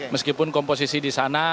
meskipun komposisi di sana